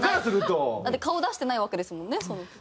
だって顔出してないわけですもんね。